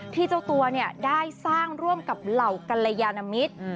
เจ้าตัวได้สร้างร่วมกับเหล่ากัลยานมิตร